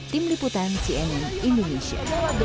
tim liputan tni indonesia